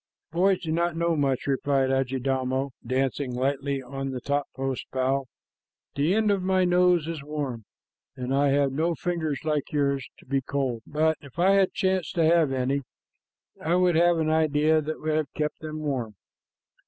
"Boys do not know much," replied Adjidaumo, dancing lightly on the topmost bough. "The end of my nose is warm, and I have no fingers like yours to be cold, but if I had chanced to have any, I have an idea that would have kept them warm."